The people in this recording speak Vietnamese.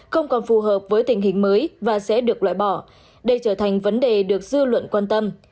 không còn phù hợp với tình hình mới và sẽ được loại bỏ đây trở thành vấn đề được dư luận quan tâm